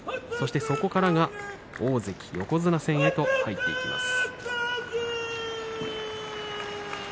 そこから大関、横綱戦へと入っていきます。